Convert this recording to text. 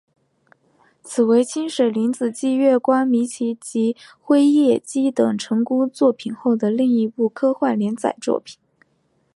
此为清水玲子继月光迷情及辉夜姬等成功作品后的另一部科幻连载作品。